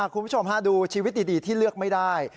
คุณผู้ชมดูชีวิตดีที่เลือกไม่ได้